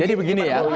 jadi begini ya